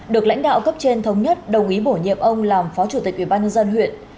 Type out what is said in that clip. được lãnh đạo cấp trên thống nhất đồng ý bổ nhiệm ông làm phó chủ tịch ubnd huyện